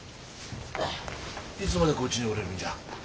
いつまでこっちにおれるんじゃ？